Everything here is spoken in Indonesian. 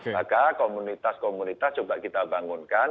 maka komunitas komunitas coba kita bangunkan